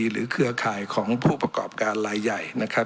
เครือข่ายของผู้ประกอบการลายใหญ่นะครับ